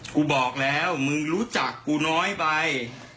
กูบอกแล้วมึงรู้จักกูน้อยไป